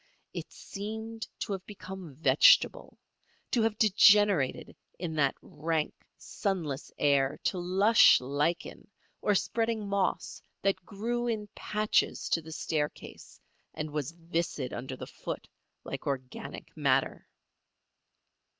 It seemed to have become vegetable; to have degenerated in that rank, sunless air to lush lichen or spreading moss that grew in patches to the staircase and was viscid under the foot like organic matter.